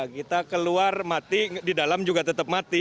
kita keluar mati di dalam juga tetap mati